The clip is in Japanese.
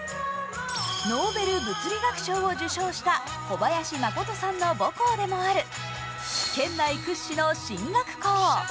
ノーベル物理学賞を受賞した小林誠さんの母校でもある県内屈指の進学校。